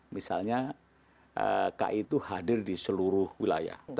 misalnya ki itu hadir di seluruh wilayah